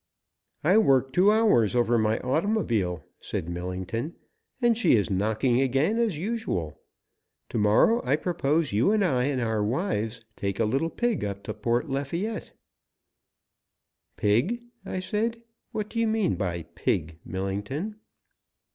"I worked two hours over my automobile," said Millington, "and she is knocking again as usual. To morrow, I propose you and I and our wives will take a little pig up to Port Lafayette " "Pig?" I said. "What do you mean by pig, Millington."